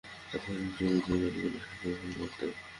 তখন জমিটির মালিকানা সরকারের ওপর বর্তায়।